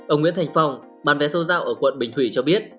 ông nguyễn thành phong bán vé sâu dạo ở quận bình thủy cho biết